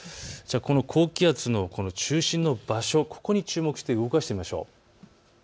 この高気圧の中心の場所、ここに注目して動かしてみましょう。